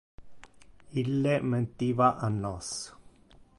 Ille mentiva a nos.